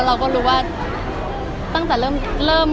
เราก็รู้ว่าตั้งแต่เริ่ม